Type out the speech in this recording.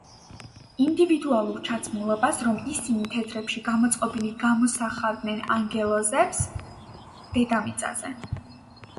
ეს შეიცავდა ბიჭების ინდივიდუალურ ჩაცმულობას, რომ ისინი თეთრებში გამოწყობილი გამოსახავდნენ ანგელოზებს დედამიწაზე.